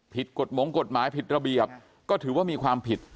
กฎหมงกฎหมายผิดระเบียบก็ถือว่ามีความผิด